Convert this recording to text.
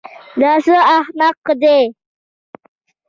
دا څه احمق دی.